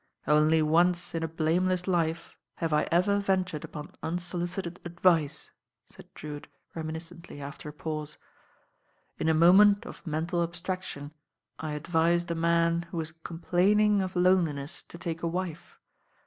« "Only once in a blameless life have I ever ven turcd upon unsolicited advice," said Drewitt reml nisccntly after a pause. "In a moment of mental abstraction I advised a man who was complaining oi loneliness to take a wife.